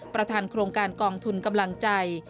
ประธานโครงการกองทุนกำลังใจ